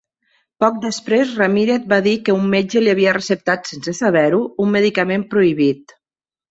Poc després, Ramirez va dir que un metge li havia receptat sense saber-ho un medicament prohibit.